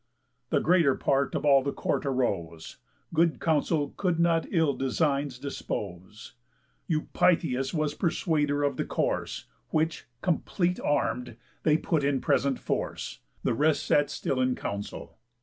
The greater part of all the court arose; Good counsel could not ill designs dispose. Eupitheus was persuader of the course, Which, cómplete arm'd, they put in present force; The rest sat still in council.